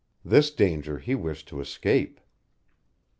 This danger he wished to escape.